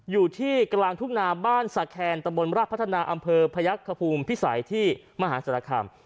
อยู่ที่กลางทุ่งนาบ้านสาแคนตะบนราชพัฒนาอำเภอพยักษภูมิพิสัยที่มหาศาลคาม